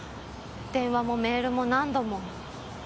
電話もメールも何度も。